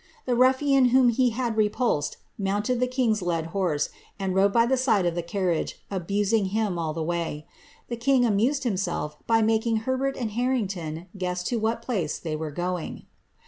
The ruffian whom he had rf puUed mounted the king's led horse, and rode by the side of the car riasc, abusing him all the way. The king amused himself by making Herbert and Harrington guess to what place they were going.